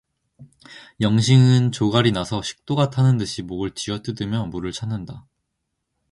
영신은 조갈이 나서 식도가 타는 듯이 목을 쥐어뜯으며 물을 찾는다.